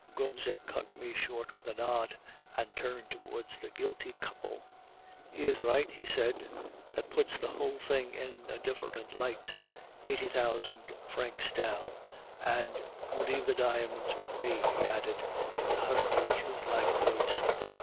"Gobseck cut me short with a nod, and turned towards the guilty couple. "'He is right!' he said. 'That puts the whole thing in a different light. Eighty thousand francs down, and you leave the diamonds with me,' he added, in the husky, flute like voice.